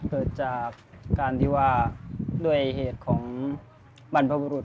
เกิดจากการที่ว่าด้วยเหตุของบรรพบุรุษ